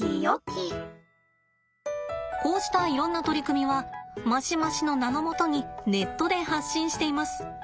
こうしたいろんな取り組みはマシマシの名のもとにネットで発信しています。